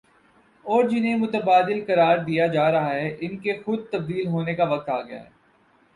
اور جنہیں متبادل قرار دیا جا رہا ان کے خود تبدیل ہونے کا وقت آ گیا ہے ۔